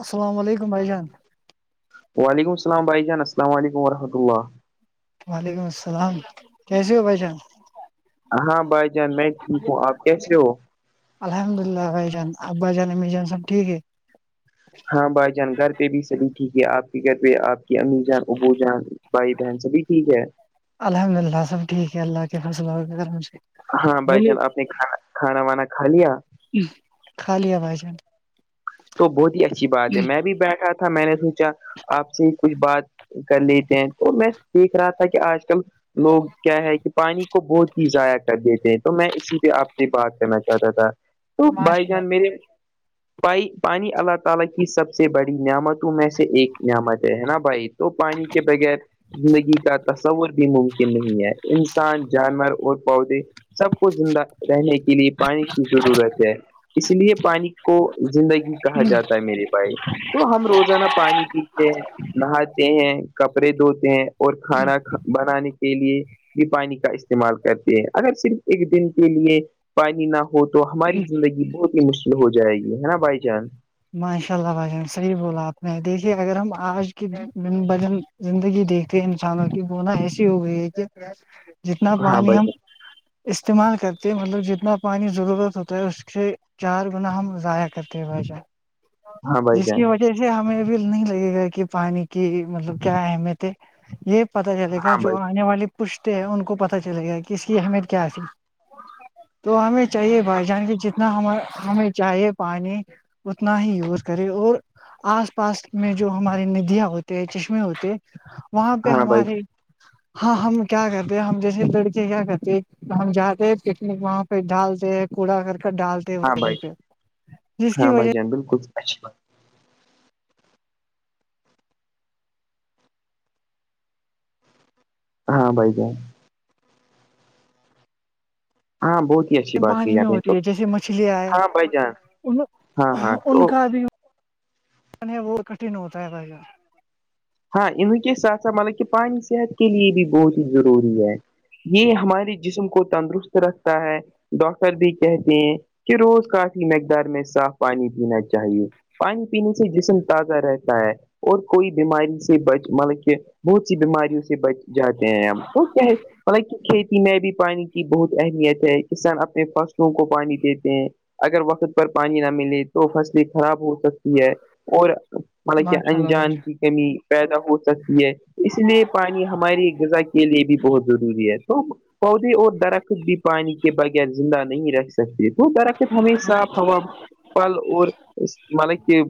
اسلام علیکم بھائی جان وعلیکم السلام بھائی جان السلام علیکم ورحمۃ اللہ وعلیکم السلام کیسے ہو بھائی جان ہاں بھائی جان میں ٹھیک ہوں آپ کیسے ہو الحمد للہ بھائی جان آپ بھائی جان امی جان سب ٹھیک ہے ہاں بھائی جان گھر پہ بھی سبھی ٹھیک ہے آپ کے گھر پہ آپ کی امی جان ابو جان بھائی بہن سبھی ٹھیک ہے الحمد للہ سب ٹھیک ہے اللہ کے فضل و کرم سے ہاں بھائی بولیے جان آپ نے کھانا کھانا وانا کھا لیا کھا لیا بھائی جان تو بہت ہی اچھی بات ہے میں بھی بیٹھا تھا تھا میں نے سوچا آپ سے کچھ بات کر لیتے ہیں تو میں دیکھ رہا تھا کہ آج کل لوگ کیا ہے کہ پانی کو بہت ہی ضائع کر دیتے ہیں تو میں اسی پہ آپ سے بات کرنا چاہتا تھا تو بھائی ماشاء اللہ جان میرے پائی پانی اللہ تعالی کی سب سے بڑی نعمتوں میں سے ایک نعمت ہے نا بھائی تو پانی کے بغیر زندگی کا تصور بھی ممکن نہیں ہے انسان جانور اور پودے سب کو زندہ رہنے کے لیے پانی کی ضرورت ہے اس لیے پانی کو زندگی کہا جاتا ہے میرے بھائی تو ہم روزانہ پانی پیتے ہیں نہاتے ہیں کپڑے دھوتے ہیں اور کھانا بنانے کے لیے بھی پانی کا استعمال کرتے ہیں اگر صرف ایک دن کے لیے پانی نہ ہو ہو تو ہماری زندگی بہت ہی مشکل ہو جائے گی ہے نا بھائی جان ماشاء اللہ بھائی جان صحیح بولا آپ دیکھیے اگر ہم آج کی بجن زندگی دیکھتے انسانوں کی بنا ایسی ہو گئی ہے کہ جتنا ہاں پانی بھائی ہم جان استعمال کرتے ہیں مطلب جتنا پانی ضرورت ہوتا ہے اس سے چار گنا ہم ضائع کرتے ہیں بائی ج ہاں بھائی جس کی جان وجہ [unintelligible] جیسے ہمیں بھی نہیں لگے گا کہ پانی کی مطلب کیا اہمیت ہے یہ پت چلے گا ہاں جو بھائی آنے والے پوچھتے ہیں ان کو پت چل گیا کہ اس کی اہمیت کیا تھی تو ہمیں چاہیے بھائی [unintelligible] جان کے جتنا ہم ہمیں چاہیے پانی اتنا ہی یوز کرے اور آس پاس میں جو ہماری ندیاں ہوتے ہیں چشمے ہوتے وہاں پہ ہاں بھائی ہمارے ہاں ہم کیا کرتے ہم جیسے لڑکے کیا کرتے ہم جاتے ہیں پکنک وہاں پہ ڈالتے کوڑا کرکٹ ڈالتے ہیں ہاں وہیں بھائی جان پہ جس کی ہاں بھائی وجہ جان بالکل اچھی بات ہاں بھائی جان ہاں بہت ہی اچھی بات پانی کی میں آپ نے تو ہوتی ہے جیسے مچھلیاں ہے ہاں بھائی جان ان ہاں ہاں ان تو کا بھی وہ کٹھن ہوتا ہے بھائی جان ہاں انہیں کے ساتھ ساتھ مطلب کہ پانی صحت کے لیے بھی بہت ہی ضروری ہے یہ ہمارے جسم کو تندرست رکھتا ہے ڈاکٹر بھی کہتے ہیں کہ روز کافی مقدار میں صاف پانی پینا چاہیے پانی پینے سے جسم تازہ رہتا ہے اور کوئی بیماری سے بچ مطلب کہ بہت سی بیماریوں سے بچ جاتے ہیں ہم کیا مطلب کہ کھیتی میں بھی پانی کی بہت اہمیت ہے کسان اپنے فصلوں کو پانی دیتے ہیں اگر وقت پر پانی نہ ملے تو فصلیں خراب ہو سکتی اور مطلب کہ ماشاء اللہ بھائی انجان کی جان کمی [unintelligible] پیدا ہو سکتی ہے اس لیے پانی ہماری غذا کے لیے بھی بہت ضروری ہے تو پودے اور درخت بھی پانی کے بغیر زندہ نہیں رہ سکتے وہ کررق تو ہمی صاف ہوا [unintelligible] پھل اور مانک کے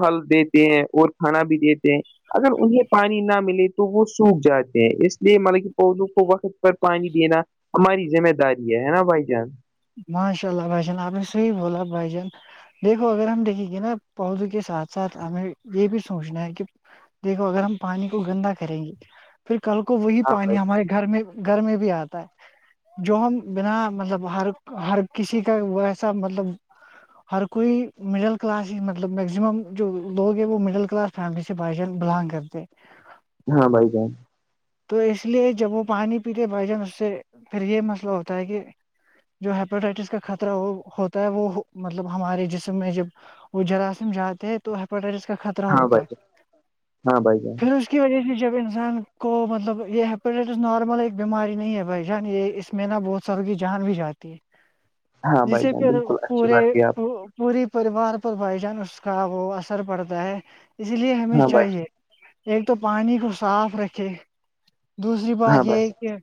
پھل دیتے ہیں اور کھانا بھی دیتے ہیں اگر انہیں پانی نہ ملے تو وہ سوکھ جاتے ہیں اس لیے مطلب کہ پودوں کو وقت پر پانی دینا ہماری ذمہ داری ہے ہے نا بھائی جان ماشاء اللہ بھائی جان آپ نے صحیح بوول بھائی جان [unintelligible] دیکھو اگر ہم دیکھیں گے نا پود کے ساتھ ساتھ ہمیں یہ بھی سوچنا ہے کہ [unintelligible] دیکھو اگر ہم پانی کو گندا کریں گے پھر کل کو وہی ہاں بھائی پانی ہمارے گھر میں گھر میں بھی آتا ہے جو ہم بنا مطلب ہر [unintelligible] ہر کسی کا ویسا مطلب ہر کوئی مڈل کلاس ہی مطلب مگزیمم جو لوگ ہے وہ مڈل کلاس فیملی سے بائی ج بلانگ کرتے ہیں ہاں بھائی جن [unintelligible] تو اس لیے جب وہ پانی پیتے بھائی جان اس سے پھر یہ مسئلہ ہوتا ہے کہ [unintelligible] جو ہیپیٹائٹس کا خطرہ وہ ہوتا ہے وہ مطلب ہمارے جسم میں جب وہ جراثم جاتے ہیں تو ہیپاٹائٹس کا خطر ا ہاں بھائی ہوتا ہے جان ہاں بھائی جان پھر اس کی وجہ سے جب انسان کو مطلب یہ ہیپیٹٹس نارمل ایک بیماری نہیں ہے بھائی جان یہ اس میں نا بہت ساروں کی جان بھی جاتی ہے [inaudible] جسے جان پھر بالکل اچھی پورے بات ہے آپ [unintelligible] پوری پریوار پر بائی جان اس کا وہ اثر پڑتا ہے اس لیے ہمی ں ہاں بھائی چاہیے [unintelligible] ایک تو پانی کو صاف رکھے دوسری ہاں بات بھائی یہ ہے کہ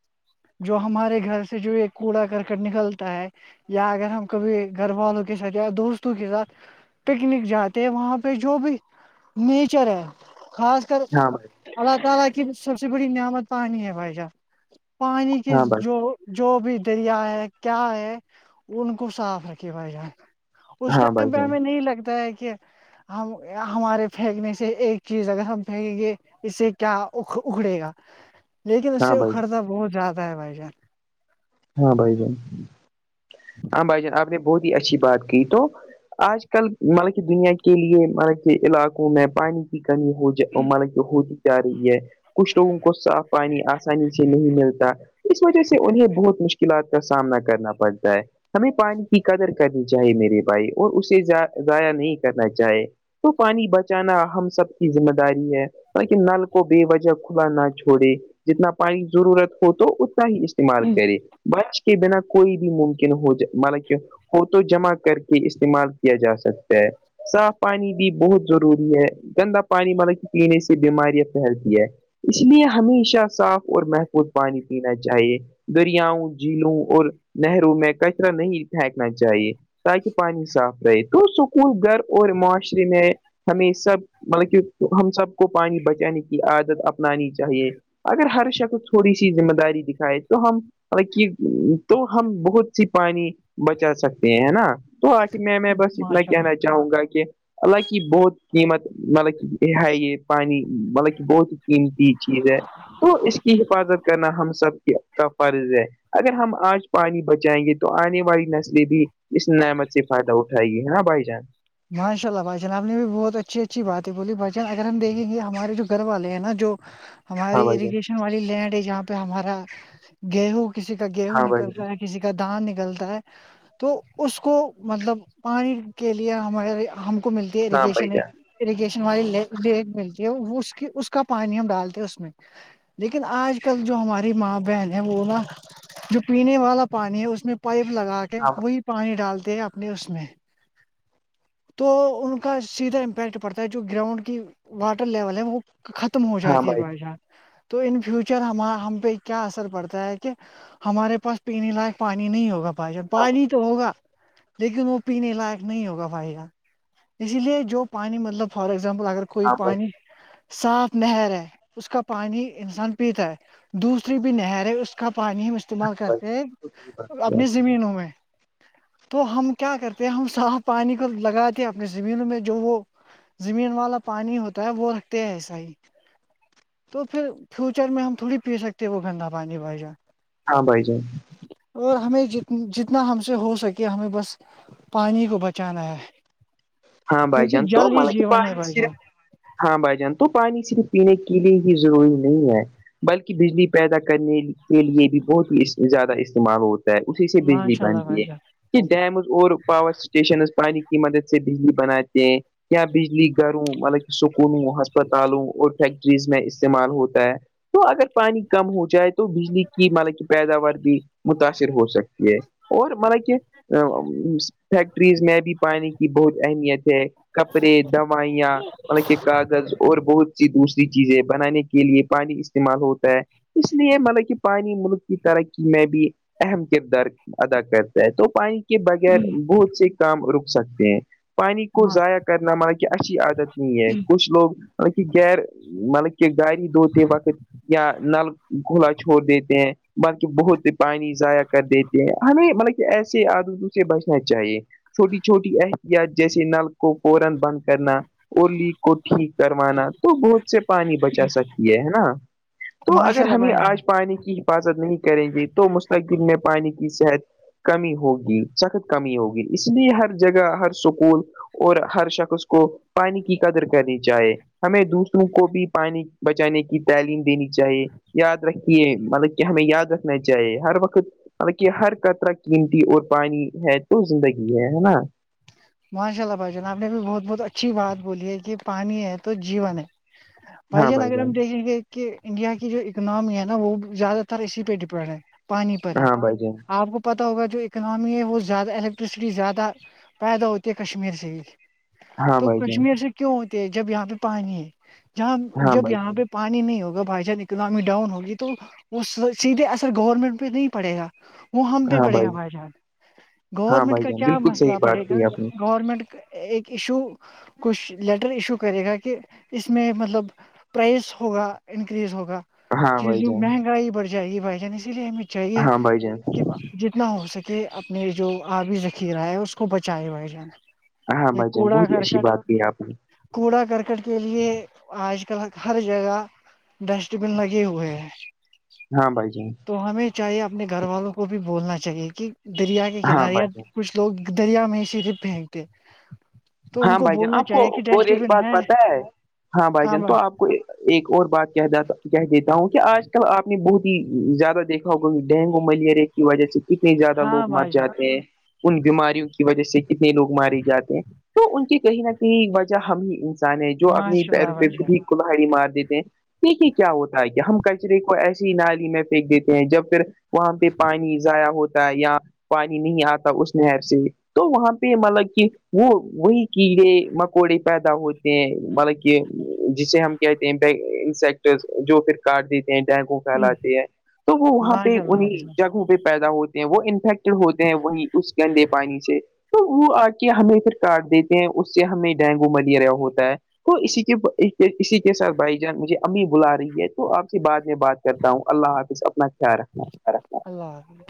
جو ہمارے گھر سے جو یہ کوڑا کرک نکلتا ہے [unintelligible] یا اگر ہم کبھی گھر والوں کے ساتھ یا دوستوں کے ساتھ پکنک جاتے ہیں وہاں پہ جو بھی نیچر ہے خاص ہاں بھائی اللہ تعالا کی سب سے بڑی نعمت پانی ہے بھائیشاہ [unintelligible] پانی کے ہاں بھائی جو [unintelligible] جو بھی دریا ہے کیا ہے ان کو صاف رکھے ب جان [unintelligible] اس ہاں بھائی ٹائم پہ جان ہمیں نہیں لگتا ہے کہ ہم ہمارے پھینکنے سے ایک چیز اگر ہم پھینکیں گے اس سے کیا اکھڑے گا لیکن اس ہاں سے بھائی اکھڑتا بہت زیادہ ہے بھائی جان ہاں بھائی جن ہاں بھائی جان آپ نے بہت ہی اچھی بات کی تو آج کل مطلب کی دنیا کے لیے مطلب کے علاقوں میں پانی [unintelligible] [unintelligible] جا رہی ہے کچھ لوگوں کو صاف پانی آسانی سے نہیں ملتا اس وجہ سے انہیں بہت مشکلات کا سامنا کرنا پڑتا ہے ہمیں پانی کی قدر کرنی چاہیے میرے بھائی اور اسے ضائع نہیں کرنا چاہے تو پانی بچانا ہم سب کی ذمہ داری ہے کہ نل کو بے وجہ کھلا نہ چھوڑے جتنا پانی کی ضرورت ہو تو ہی استعمال جان کرے بچ کے بنا کوئی بھی ممکن ہو جائے مطلا کہ اور تو جمع کر کے استعمال کیا جا سکتا ہے صاف پانی بھی بہت ضروری ہے گندا پانی مطلب کہ پینے سے بیماریاں پھیلتی ہے اس لیے ہمیشہ صاف اور محفوظ پانی پینا چاہیے دریاؤں جیلوں اور نہروں میں کچرا نہیں پھینکنا چاہیے تاکہ پانی صاف رہے تو سکول گھر اور معاشرے میں ہمیں سب مطلب کہ ہم سب کو پانی بچانے کی عادت اپنانی چاہیے اگر ہر شخص تھوڑی سی ذمہ داری دکھائے تو ہم مط کہ تو ہم بہت سی پانی بچا سکتے ہیں نا تو آخر میں میں بس اتنا ماشاء اللہ کہنا چاہوں گا کہ الاللہک بہت قیمت مطلب کہ یہ ہے یہ پانی مطلب کہ بہت قیمتی چیز ہے تو اس کی حفاظت کرنا ہم سب کا فرض ہے اگر ہم آج پانی بچائیں گے تو آنے والی نسلیں بھی اس نعمت سے فائدہ اٹھائے گی ہے نا بھائی جان ماشا اللہ بھائی جان آپ نے بھی بہت اچھی اچھی بات ہے بولی بائیان اگر ہم دیکیں گے ہمارے جو گھر والے ہیں نا جو ہاں ہماری بھائی جان اریگیشن والی لینڈ ہے جہاں پہ ہمارا گیہوں کسی کا گیہوں ہاں بھائی جان نکلتا ہے کسی کا دان نکلتا ہے تو اس کو مطلب پانی کے لیے ہمارے ہم کو ملتی ہے ہاں بھائی اریگیشن ایک جان اریگیشن والی لی ملتی ہے اس کی اس کا پانی ہم ڈالتے ہیں اس میں لیکن آج کل جو ہماری ماں بہن ہے وہ نا جو پینے والا پانی ہے اس میں پائپ لگا کے ہاں وہی پانی ڈالتے ہیں اپنے اس میں تو ان کا سیدھا امپیکٹ پڑتا ہے جو گراؤنڈ کی واٹر لیول ہے وہ ختم ہو جاتی ہے بھائی جان تو ان فیوچر ہم پہ کیا اثر پڑتا ہے کہ ہمارے پاس پینے لائق پانی نہیں ہوگا فائ جہ ہاں پانی تو ہوگا لیکن وہ پینے لائق نہیں ہوگا فائدہ اسی لیے جو پانی مطلب فار اگزامپل اگر کوئی ہاں بھائی پانی صاف نہر ہے اس کا پانی انسان پیتا ہے دوسری بھی نہر ہے اس کا پانی ہم استعمال ہاں بھائی کرتے ہیں اپنی زمینوں میں تو ہم کیا کرتے ہیں ہم صاف پانی کو لگاتے ہیں اپنی زمینوں میں جو وہ زمین والا پانی ہوتا ہے وہ رکھتے ہیں ایسا ہی تو پھر فیوچر میں ہم تھوڑی پی سکتے ہیں وہ گندا پانی بھائی جا ہاں بھائی جائے اور ہمیں جت جتنا ہم سے ہو سکے ہمیں بس پانی کو بچانا ہے ہاں بائی کیونکہ جان تو جل ہی م کہ پ جیون ہے بھائی جان ہاں بھائی جان تو پانی صرف پینے کے لیے ہی ضروری نہیں ہے بلکہ بجلی پیدا کرنے کے لئے بھی بہت ہی زیادہ استعمال ہوتی اسی سے بجلی ماشاء اللہ بنتی ہے بھائی یہ ڈیمز اور پاور اسٹیشنز پانی کی مدد سے بجلی بناتے ہیں یا بجلی گھروں مطلب کہ سکولوں ہسپتالوں اور فیکٹریز میں استعمال ہوتا ہے تو اگر پانی کم ہو جائے تو بجلی کی مطلب کہ پیداوار بھی متاثر ہو سکتی ہے اور مطلب کہ [unintelligible] فیکٹریز میں بھی پانی کی بہت اہمیت ہے کپڑے دوائں مطلب کہ کاغذ اور بہت سی دوسری چیزیں بنانے کے لیے پانی استعمال ہوتا ہے اس لیے مطلب کہ پانی ملک کی ترقی میں بھی اہم کردار ادا کرتا ہے تو پانی کےبغیر بہت سے کام رک سکتے ہیں پانی کو جان ضائع کر مطلب کہ اچھی عادت نہیں ہے کچھ لوگ مطلب کہ غیر مطلب کہ گاڑ دھوتے وقت یا نل گھولا چھوڑ دیتے ہیں بلکہ بہت ہی پانی ضائع کر دیتے ہیں ہمیں مطلب کہ ایسے عادتوں سے بچنا چاہیے چھوٹی چھوٹی احتیاط جیسے نل کو فورا بند کرنا اولی کو ٹھیک کروانا تو بہت سے پانی بچا سکتی ہے ہے نا تو ماشاء اگر اللہ ہمیں بھائی جان آج پانی کی حفاظت نہیں کریں گے تو مستقبل میں پانی کی صحت کمی ہوگی سخت کمی ہوگی اس لیے ہر جگہ ہر سکول اور ہر شخص کو پانی کی قدر کرنی چاہے ہمیں دوسروں کو بھی پانی بچانے کی تعلیم دینی چاہیے یاد رکھیے مطلب کہ ہمیں یاد رکھنا چاہیے ہر وقت بالانکہ ہر قطرہ قیمتی اور پانی ہے تو زندگی ہے ہے نا ماشاء اللہ بھائی جان آب نے بھی بہت بہت اچھی بات بولی ہے کہ پانی ہے تو جیون ہے بھائی جان اگر ہم دیکھیں گے کہ انڈیا کی جو اکناممی ہے نا وہ زیادہ تر اسی پہ ڈیپینڈ ہے پانی پر ہی ہاں بھائی جان آپ کو پتا ہوگا جو اکنامی ہے وہ زیادہ الیکٹرسٹی زیادہ پیدا ہوتے ہے کشمیر سے ہی ہاں تو بھائی جان کشمیر سے کیوں ہوتے ہے جب یہاں پہ پانی ہے جہاں ہاں جب بھائی جان یہاں پہ پانی نہیں ہوگا بائی چان اکنامی ڈاؤن ہوگی تو وہ سیدھے اثر گورنمنٹ پہ نہیں پڑے گا وہ ہم پہ پڑے گا بھائی جان ہاں گورنمنٹ بھائی کا جان کیا بالکل صحیح مسئلہ پڑے بات گا کی آپ نے گورنمنٹ ایک ایشو کچھ لیٹر ایشو کرے گا کہ اس میں مطلب پرائس ہوگا انکریز ہوگا ہاں بھائی چیزیں جان مہنگائی بڑھ جائے گی بھائی جان اسی لیے ہمیں چاہیے ہاں بھائی جان کہ جتنا ہو سکے اپنے جو آبی ذخیرہ ہے اس کو بچائے بھائی جان ہاں یہ بھائی جان کوڑا بہت ہی کرک اچھی بات کی ہے آپ نے کوڑا کرکٹ کے لیے آج کل ہر جگہ ڈسٹ بن لگے ہوئے ہیں ہاں بھائی جان تو ہمیں چاہیے اپنے گھر والوں کو بھی بولنا چاہیے کہ دریا کے ہاں کنارے یا بھائی جان کچھ لوگ دریا میں صرف پھینکتے تو ان ہاں کو بھائی جان بولنا آپ کو چاہیے کہ اور ڈسٹ ایک بن بات پتا ہے ہاں بھائی جان تو آپ کو ایک اور بات کہات کہہ دیتا ہوں کہ آج کل آپ نے بہت ہی زیادہ دیکھا ہوگا ڈینگو ملیریا [unintelligible] وجہ سے کتنے زیادہ ہاں لوگ مر بھائی جان جاتے ہیں ان بیماریوں کی وجہ سے کتنے لوگ مارے جاتے ہیں تو ان کی کہیں نہ کہیں وجہ ہم ہی انسان ہے جو اپنی ماشاء اللہ پیروں پہ بھائی خود ہی کلہاڑی مار دیتے ہیں دیکھیے کیا ہوتا ہے کیا ہم کچرے کو ایسے نالی میں پھینک دیتے ہیں جب پھر وہاں پہ پانی ضائع ہوتا یا پانی نہیں آتا اس نہر سے تو وہاں پہ مطلب کہ وہ وہی کیڑے مکوڑے پیدا ہوتے ہیں مطلب کہ جسے ہم کہتے ہیں انسیکٹ جو پھر کارڈ دیتے ہیں ڈینگوں جان پھیلاتے ہیں تو وہ وہاں پہ ماشاء اللہ بھائی انہیں جان جگہوں پہ پیدا ہوتے ہیں وہ انفیکٹڈ ہوتے ہیں وہی اس گندے پانی سے تو وہ آ کے ہمیں پھر کاٹ دیتے ہیں اس سے ہمیں ڈینگو ملیریا ہوتا ہے تو اسی کے اسی کے ساتھ بھائی جان مجھے امی بلا رہی ہے تو آپ بعد میں بات کرتا ہوں اللہ حافظ اپنا خیال رکھنا اللہ حف [unintelligible]